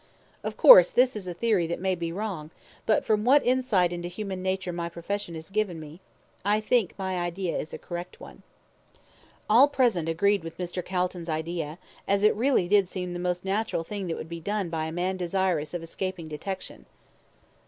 Of course, this is a theory that may be wrong; but from what insight into human nature my profession has given me, I think that my idea is a correct one." All present agreed with Mr. Calton's idea, as it really did seem the most natural thing that would be done by a man desirous of escaping detection.